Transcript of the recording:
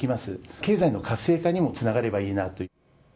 経済の活性化にもつながればいいなと。